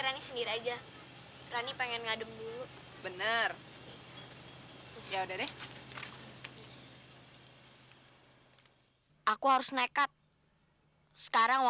rani kenapa kamu gak pernah bela mama